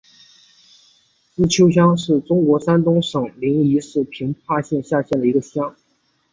资邱乡是中国山东省临沂市平邑县下辖的一个乡。